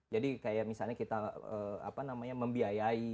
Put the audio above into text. jadi kayak misalnya kita apa namanya membiayai